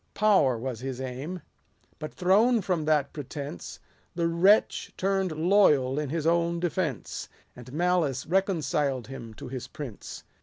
Power was his aim : but, thrown from that pretence, 50 The wretch turn'd loyal in his own defence ; And malice reconciled him to his prince.